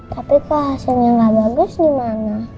tapi kalau hasilnya nggak bagus gimana